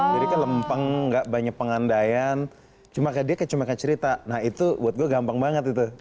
kan lempeng gak banyak pengandaian cuma kayak dia cuma kayak cerita nah itu buat gue gampang banget itu